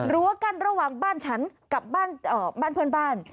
กั้นระหว่างบ้านฉันกับบ้านเพื่อนบ้าน